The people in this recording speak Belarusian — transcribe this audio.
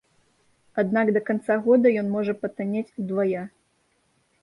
Аднак да канца года ён можа патаннець удвая.